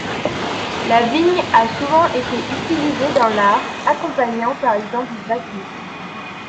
La vigne a souvent été utilisé dans l'art, accompagnant par exemple Bacchus.